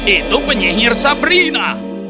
itu penyihir sabrina